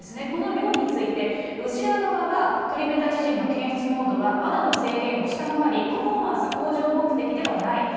この量について、ロシア側は、トリメタジジンの検出濃度は、ＷＡＤＡの制限を下回り、パフォーマンス向上目的ではない。